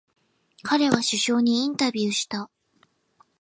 彼は首相にインタビューした。